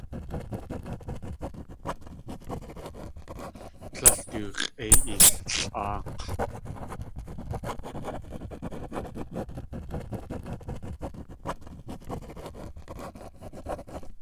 Líl du x̲ʼéi eellʼáak̲!